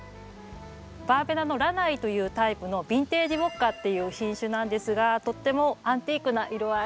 バーベナのラナイというタイプのヴィンテージウォッカっていう品種なんですがとってもアンティークな色合い。